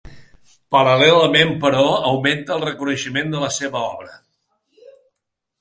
Paral·lelament, però, augmenta el reconeixement de la seva obra.